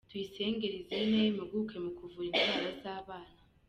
Tuyisenge Lizine, impuguke mu kuvura indwara z’abana.